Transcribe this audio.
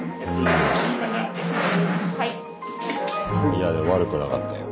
いやでも悪くなかったよ。